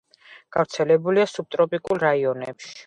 გავრცელებულია სუბტროპიკულ რაიონებში.